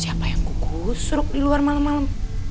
siapa yang kukus di luar malem malem